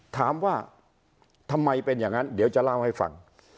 ถามว่าทำไมเป็นอย่างนั้นเดี๋ยวจะเล่าให้ฟัง